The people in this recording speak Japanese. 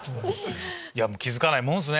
気付かないもんすね。